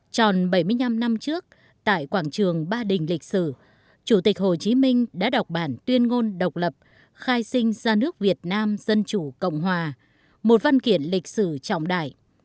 tròn bảy mươi năm năm trước tại quảng trường ba đình lịch sử chủ tịch hồ chí minh đã đọc bản tuyên ngôn độc lập khai sinh ra nước việt nam dân chủ cộng hòa một văn kiện lịch sử trọng đại